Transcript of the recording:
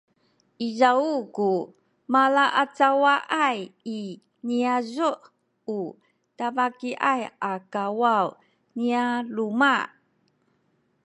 izaw ku malaacawaay i niyazu’ u tabakiyay a kawaw nya luma’